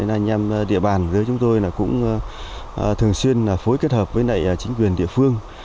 anh em địa bàn dưới chúng tôi cũng thường xuyên phối kết hợp với chính quyền địa phương